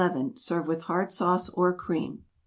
Serve with Hard Sauce or cream.